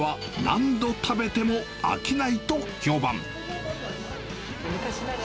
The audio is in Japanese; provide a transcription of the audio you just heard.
何度食べても飽きない。